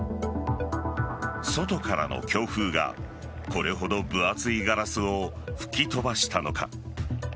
外からの強風がこれほど分厚いガラスを吹き飛ばしたのか。